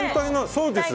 そうです。